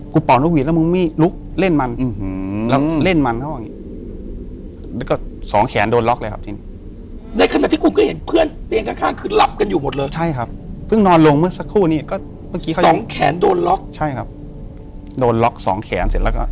กูป่าวนุกหลีแล้ว